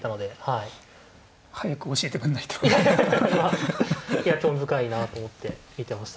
いや興味深いなと思って見てましたけど。